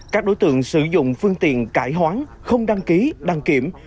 các đối tượng sử dụng phương tiện cải hoán không đăng ký đăng kiểm